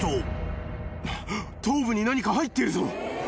・頭部に何か入っているぞ。